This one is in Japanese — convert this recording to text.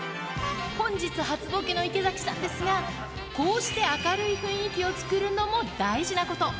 本日初ボケの池崎さんですが、こうして明るい雰囲気を作るのも大事なこと。